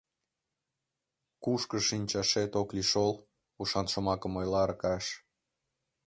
— Кушкыж шинчашет ок лий шол, — ушан шомакым ойла Аркаш.